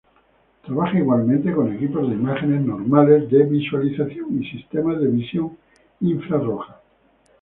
Trabaja igualmente con equipos de imágenes normales de visualización y sistemas de visión infrarroja.